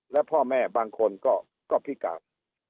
และพ่อแม่บางคนก็พิการ